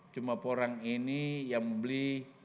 cuma porang ini yang membeli